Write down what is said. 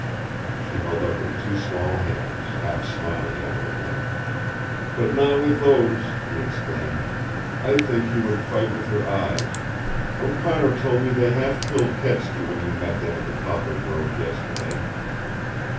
She held up her two small hands, half smiling at him again. "But not with those," he exclaimed. "I think you would fight with your eyes. O'Connor told me they half killed Kedsty when you met them in the poplar grove yesterday."